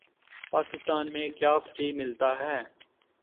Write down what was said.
پاکستان میں کیا فری ملتا ہے